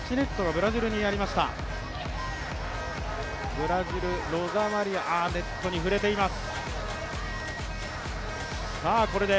ブラジル、ロザマリア、ネットに触れています。